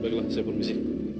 baiklah saya permisi